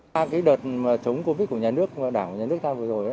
trong đợt chống covid của nhà nước đảng của nhà nước ta vừa rồi